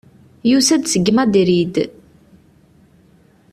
Yusa-d seg Madrid.